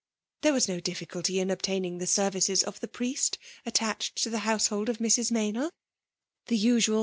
There was no difficulty in obtain ing the services of the priest attached to the household of Mrs. Meynell: — ^the usual.